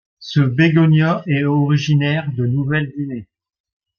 Ce bégonia est originaire de Nouvelle Guinée.